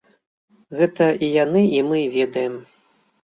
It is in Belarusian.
Гэта і яны, і мы ведаем.